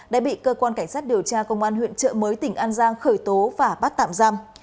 đã bị cơ quan cảnh sát điều tra công an huyện trợ mới tỉnh an giang khởi tố và bắt tạm giam